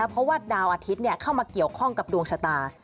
เพราะว่าดาวอาทิตย์เข้ามาเกี่ยวข้องกับดวงชะตา